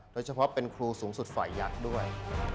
โดยเฉพาะเป็นครูสูงสุดฝ่ายยักษ์ด้วย